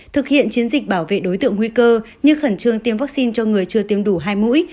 thực hiện chiến dịch bảo vệ đối tượng nguy cơ như khẩn trương tiêm vaccine cho người chưa tiêm đủ hai mũi